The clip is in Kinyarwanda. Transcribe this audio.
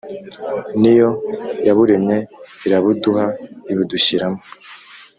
ni yo yaburemyeirabuduha, ibudushyiramo